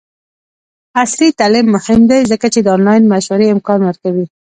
عصري تعلیم مهم دی ځکه چې د آنلاین مشورې امکان ورکوي.